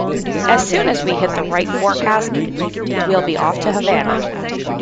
As soon as we hit the right forecast, we'll be off to Havana.